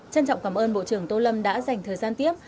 trân trọng cảm ơn bộ trưởng tô lâm đã dành thời gian tiếp